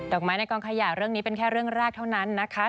อกไม้ในกองขยะเรื่องนี้เป็นแค่เรื่องแรกเท่านั้นนะคะ